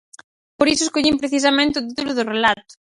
Por iso escollín precisamente o título do relato.